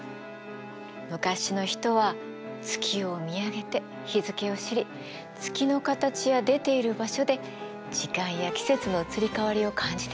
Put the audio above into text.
昔の人は月を見上げて日付を知り月の形や出ている場所で時間や季節の移り変わりを感じていたそうです。